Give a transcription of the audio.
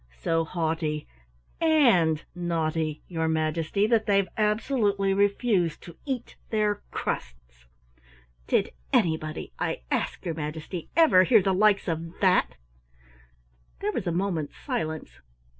"So haughty and naughty, your Majesty, that they've absolutely refused to eat their crusts. Did anybody, I ask your Majesty, ever hear the likes of that?" There was a moment's silence.